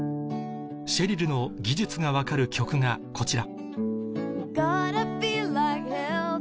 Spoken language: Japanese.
シェリルの技術が分かる曲がこちら